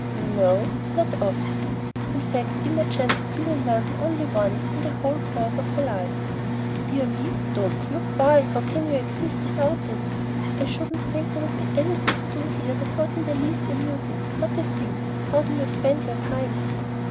"N o, not often." In fact, Imogen had been in London only once in the whole course of her life. "Dear me! don't you? Why, how can you exist without it? I shouldn't think there would be anything to do here that was in the least amusing, not a thing. How do you spend your time?"